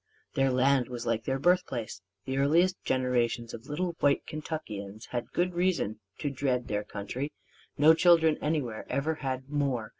Their land was like their birthplace. The earliest generations of little white Kentuckians had good reason to dread their country no children anywhere ever had more.